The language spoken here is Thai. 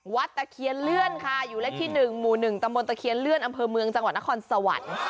ตะเคียนเลื่อนค่ะอยู่เลขที่๑หมู่๑ตำบลตะเคียนเลื่อนอำเภอเมืองจังหวัดนครสวรรค์